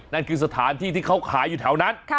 นั่นคือสถานที่ที่เขาขายอยู่แถวนั้น